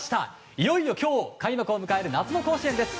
いよいよ今日、開幕を迎える夏の甲子園です。